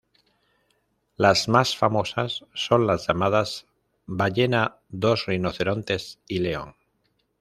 Las más famosas son las llamadas Ballena, Dos rinocerontes y León.